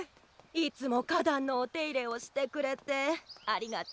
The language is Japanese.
いつも花壇のお手入れをしてくれてありがとうね。